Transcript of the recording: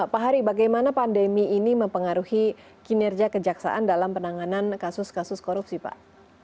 pak hari bagaimana pandemi ini mempengaruhi kinerja kejaksaan dalam penanganan kasus kasus korupsi pak